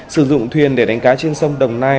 sử dụng thuyền để đánh cá trên sông đồng nai